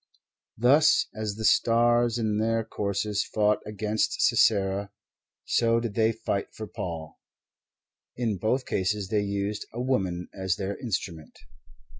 Thus, as the stars in their courses fought against Sisera, so did they fight for Paul; and in both cases they used a woman as their instrument.